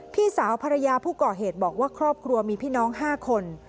พี่สาวภรรยาผู้ก่อเหตุบอกว่าครอบครัวมีพี่น้อง๕คน